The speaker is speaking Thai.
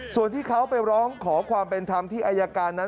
ส่วนที่เขาไปร้องขอความเป็นธรรมที่อายการนั้น